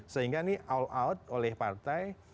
sehingga ini all out oleh partai